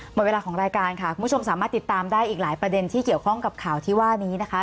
หมดเวลาของรายการค่ะคุณผู้ชมสามารถติดตามได้อีกหลายประเด็นที่เกี่ยวข้องกับข่าวที่ว่านี้นะคะ